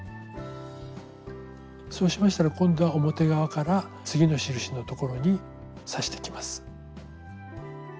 そうしましたら今度は表側から次の印のところに刺していきます。